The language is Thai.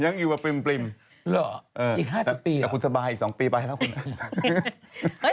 เนี่ยคุณสบายอีก๒ปีไปแล้วคุณ